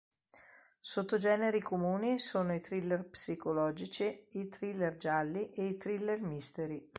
Sottogeneri comuni sono i "thriller" psicologici, i "thriller" gialli e i "thriller" mystery.